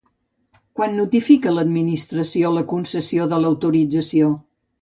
Quan notifica l'Administració la concessió de l'autorització?